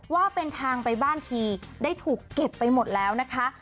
ว่าเป็นทางไปบ้านทีได้ถูกเก็บไปหมดแล้วนะคะ